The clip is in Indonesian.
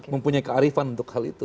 mempunyai kearifan untuk hal itu